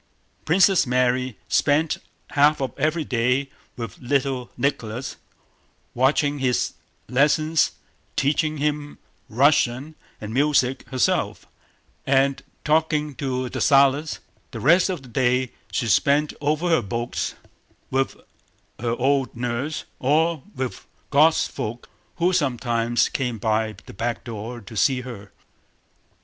Princess Mary spent half of every day with little Nicholas, watching his lessons, teaching him Russian and music herself, and talking to Dessalles; the rest of the day she spent over her books, with her old nurse, or with "God's folk" who sometimes came by the back door to see her.